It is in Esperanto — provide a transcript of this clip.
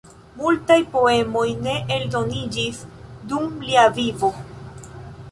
Multaj poemoj ne eldoniĝis dum lia vivo.